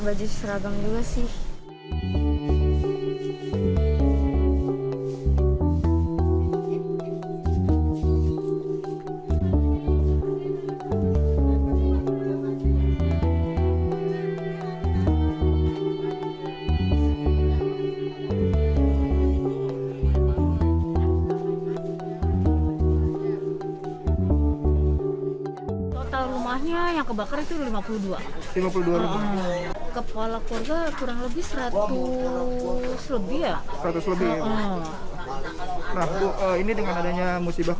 bajis seragam juga sih